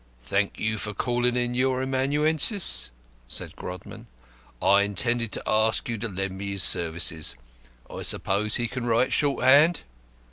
"Thank you for calling in your amanuensis," said Grodman. "I intended to ask you to lend me his services. I suppose he can write shorthand."